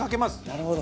なるほど。